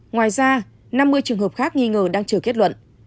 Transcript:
ngoài ra năm mươi trường hợp khác nghi ngờ đang chờ kết luận